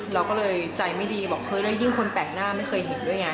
เราก็เลยใจไม่ดีบอกเฮ้ยแล้วยิ่งคนแปลกหน้าไม่เคยเห็นด้วยไง